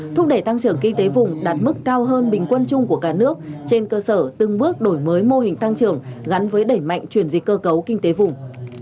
thúc đẩy tăng trưởng kinh tế vùng đạt mức cao hơn bình quân chung của cả nước trên cơ sở từng bước đổi mới mô hình tăng trưởng gắn với đẩy mạnh chuyển dịch cơ cấu kinh tế vùng